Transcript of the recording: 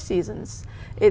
ở hà nội